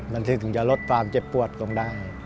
มันถึงจะลดความเจ็บปวดคงได้